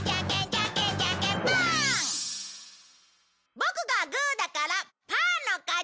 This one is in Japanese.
ボクがグーだからパーの勝ち！